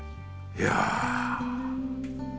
いや。